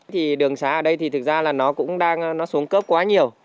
thì đường xá ở đây thì thực ra là nó cũng đang nó xuống cấp quá nhiều